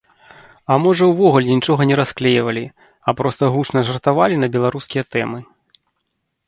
А можа ўвогуле нічога не расклейвалі, а проста гучна жартавалі на беларускія тэмы.